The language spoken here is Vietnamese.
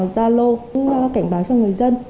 zalo cũng cảnh báo cho người dân